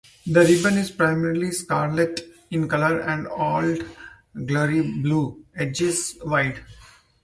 The ribbon is primarily scarlet in color, with Old Glory Blue edges wide.